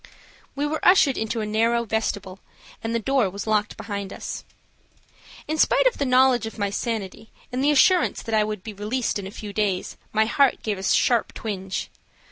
We were ushered into a narrow vestibule, and the door was locked behind us. In spite of the knowledge of my sanity and the assurance that I would be released in a few days, my heart gave a sharp twinge.